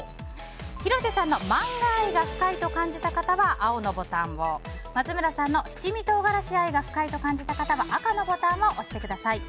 広瀬さんのマンガ愛が深いと感じた方は青のボタンを松村さんの七味唐辛子愛が深いと感じた方は赤のボタンを押してください。